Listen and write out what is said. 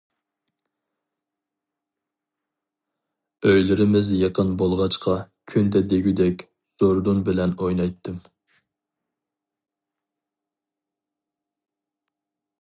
ئۆيلىرىمىز يېقىن بولغاچقا كۈندە دېگۈدەك زوردۇن بىلەن ئوينايتتىم.